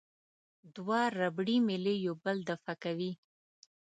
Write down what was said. دوه ربړي میلې یو بل دفع کوي.